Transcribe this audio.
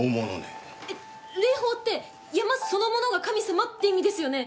霊峰って山そのものが神様って意味ですよね？